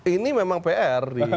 ini memang pr